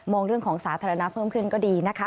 เรื่องของสาธารณะเพิ่มขึ้นก็ดีนะคะ